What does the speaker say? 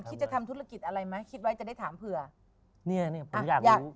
คิดจะทำธุรกิจอะไรแม่คิดว่าจะได้ถามเผื่อเหี้ยอยาก